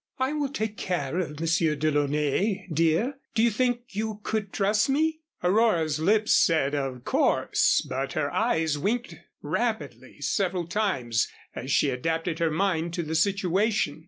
"I will take care of the Monsieur DeLaunay, dear. Do you think you could trust me?" Aurora's lips said, "Of course," but her eyes winked rapidly several times as she adapted her mind to the situation.